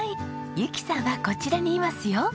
ゆきさんはこちらにいますよ。